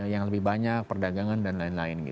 yang lebih banyak perdagangan dan lain lain